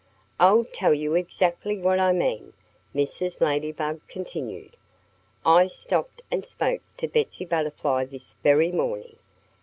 "I'll tell you exactly what I mean," Mrs. Ladybug continued. "I stopped and spoke to Betsy Butterfly this very morning.